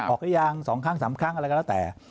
หรือยัง๒ครั้ง๓ครั้งอะไรก็แล้วแต่